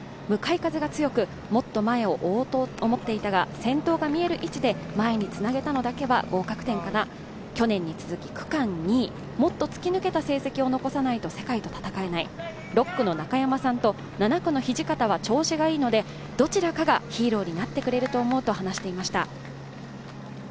向かい風が強くもっと前を追おうと思っていたが、先頭が見える位置で前につなげたのだけは合格点かな、去年に続き区間２位、もっと突き抜けた成績を残せないと世界と戦えない、６区の中山さんと７区の土方は調子がいいのでどちらかがヒーローになってくれると思うと話していました。